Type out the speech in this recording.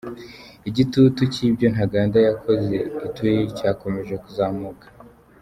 Igitutu cy’ibyo Ntaganda yakoze Ituri cyakomeje kuzamuka.